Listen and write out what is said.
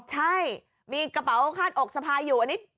ใช่มีกระเป๋าคาดอกสะพายอยู่อันนี้